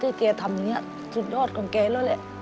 แกทำอย่างนี้สุดยอดของแกแล้วแหละ